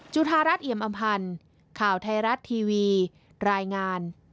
จุธารัฐเอียมอำพันธ์ข่าวไทยรัฐทีวีรายงาน